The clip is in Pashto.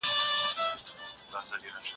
سياسي استقلال خورا مهم دی.